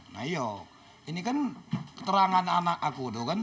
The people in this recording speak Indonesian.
nah iya ini kan keterangan anak aku